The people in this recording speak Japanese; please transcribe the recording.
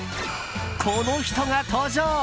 この人が登場。